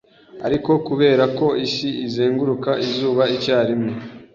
Ariko kubera ko Isi izenguruka izuba icyarimwe